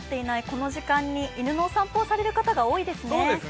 この時間に犬のお散歩をされる方が多いですね。